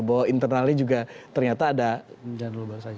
bahwa internalnya juga ternyata ada yang bermasalah